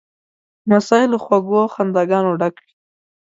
لمسی له خوږو خنداګانو ډک وي.